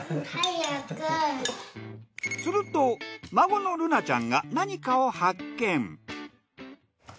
すると孫の瑠菜ちゃんが何かを発見。